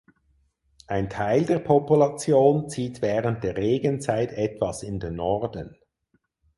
Ein Teil der Population zieht während der Regenzeit etwas in den Norden.